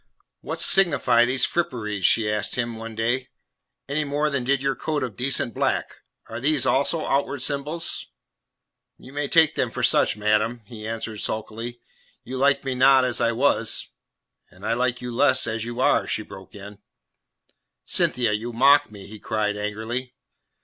"What signify these fripperies?" she asked him, one day, "any more than did your coat of decent black? Are these also outward symbols?" "You may take them for such, madam," he answered sulkily. "You liked me not as I was " "And I like you less as you are," she broke in. "Cynthia, you mock me," he cried angrily.